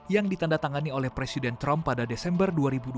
yang ditandatangani oleh presiden trump pada desember dua ribu dua puluh